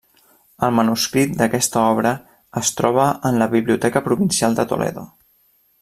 El manuscrit d'aquesta obra es troba en la Biblioteca provincial de Toledo.